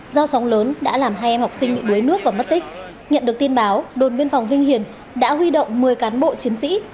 do sóng lớn đã làm hai em học sinh bị đuối nước và mất tích nhận được tin báo đồn biên phòng vinh hiền đã huy động một mươi cán bộ chiến sĩ